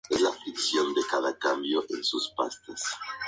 El desarrollo fue trasladado al repositorio de Xiph.org.